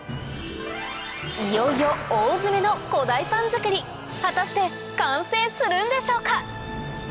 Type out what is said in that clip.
いよいよ大詰めの古代パン作り果たして完成するんでしょうか？